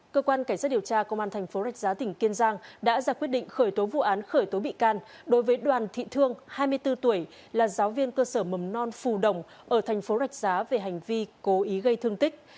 cơ quan cảnh sát điều tra công an thành phố rạch giá tỉnh kiên giang đã ra quyết định khởi tố vụ án khởi tố bị can đối với đoàn thị thương hai mươi bốn tuổi là giáo viên cơ sở mầm non phù đồng ở thành phố rạch giá về hành vi cố ý gây thương tích